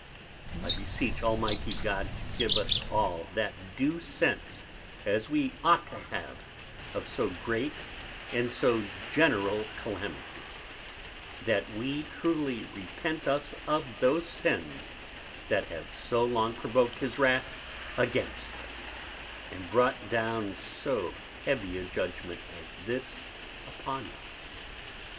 I beseech Almighty God to give us All that due Sense as we ought to have of so great and so general Calamity; that we truly repent us of those Sins that have so long provoked his Wrath against us, and brought down so heavy a Judgment as this upon us.